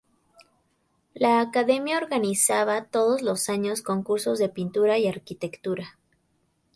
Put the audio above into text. La Academia organizaba todos los años concursos de pintura y arquitectura.